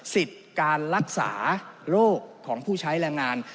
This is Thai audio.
สิทธิ์การรักษาโรคของผู้ใช้แรงงาน